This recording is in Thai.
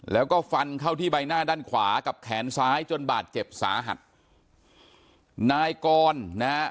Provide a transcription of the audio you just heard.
แล้วก็ฟันเข้าที่ใบหน้าด้านขวากับแขนซ้ายจนบาดเจ็บสาหัสนายกรนะฮะ